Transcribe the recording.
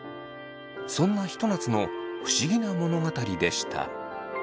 そんなひと夏の不思議な物語でした。